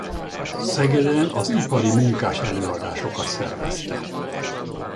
Szegeden az ipari munkás-előadásokat szervezte.